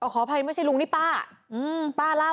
ขออภัยไม่ใช่ลุงนี่ป้า